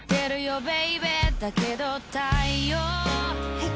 はい。